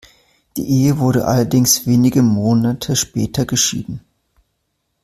Die Ehe wurde allerdings wenige Monate später geschieden.